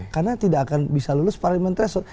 karena tidak akan bisa lolos parlimen threshold